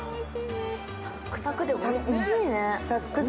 サックサクでおいしいね。